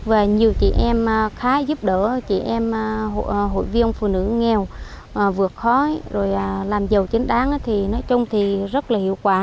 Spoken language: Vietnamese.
và nhiều chị em khá giúp đỡ chị em hội viêng phụ nữ nghèo vượt khói rồi làm giàu chính đáng thì nói chung thì rất là hiệu quả